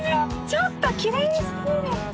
ちょっときれいすぎる！